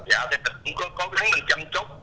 dạ thì cũng có gắn mình chăm chút